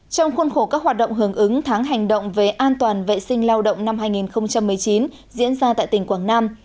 trong khuôn khổ các hoạt động hưởng ứng tháng hành động về an toàn vệ sinh lao động năm hai nghìn một mươi chín diễn ra tại tỉnh quảng nam